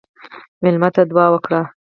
مېلمه ته دعا وکړه.